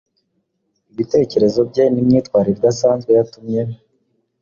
Ibitekerezo bye n’imyitwarire idasanzwe yatumye